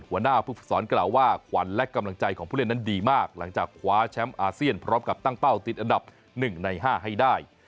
หัวหน้าผู้ฝึกสอนกล่าวว่าขวัญและกำลังใจของผู้เล่นนั้นดีมากหลังจากคว้าแชมป์อาเซียนพร้อมกับตั้งเป้าติดอันดับ๑ใน๕ให้ได้